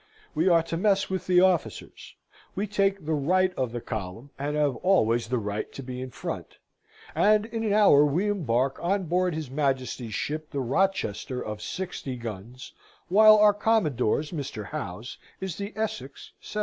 We are to mess with the officers; we take the right of the collumn, and have always the right to be in front, and in an hour we embark on board his Majesty's Ship the Rochester of 60 guns, while our Commodore's, Mr. Howe's, is the Essex, 70.